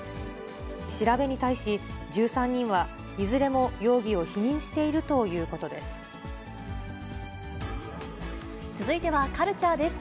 調べに対し、１３人は、いずれも容疑を否認しているということです。